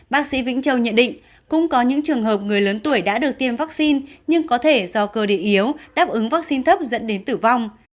bác sĩ vĩnh châu nhận định cũng có những trường hợp người lớn tuổi đã được tiêm vaccine nhưng có thể do cơ địa yếu đáp ứng vaccine thấp dẫn đến tử vong